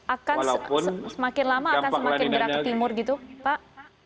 akan semakin lama akan semakin gerak ke timur gitu pak